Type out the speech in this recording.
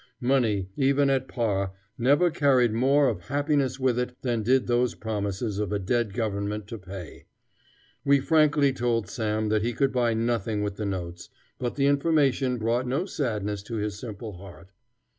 Money, even at par, never carried more of happiness with it than did those promises of a dead government to pay. We frankly told Sam that he could buy nothing with the notes, but the information brought no sadness to his simple heart.